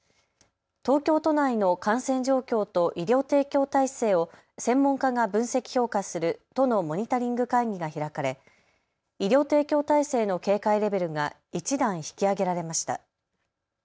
東京都内の感染状況と医療提供体制を専門家が分析・評価する都のモニタリング会議が開かれ医療提供体制の警戒レベルが１段引き上げられました。